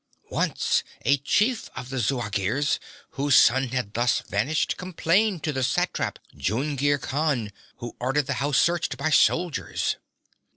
Once a chief of the Zuagirs whose son had thus vanished complained to the satrap, Jungir Khan, who ordered the house searched by soldiers.'